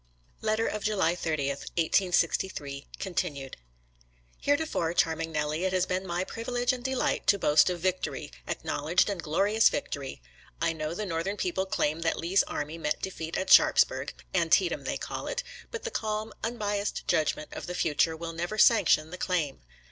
XIII GETTYSBUEG (Letter of July 30, 1863, Continued) Heretofore, Charming Nellie, it has been my privilege and delight to boast of victory — ac knowledged and glorious victory. I know the Northern people claim that Lee's army met de feat at Sharpsburg — ^Antietam, they call it — ^but the calm, unbiased judgment of the future will never sanction the claim.